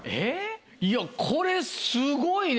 いやこれすごいね。